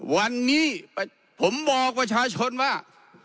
วันนี้ผมบอกประชาชนว่า